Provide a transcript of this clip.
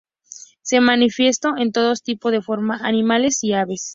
Se manifestó en todo tipo de formas de animales y aves.